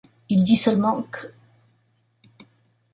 Il dit seulement qu'.